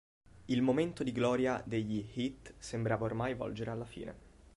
Il momento di gloria degli Heat sembrava ormai volgere alla fine.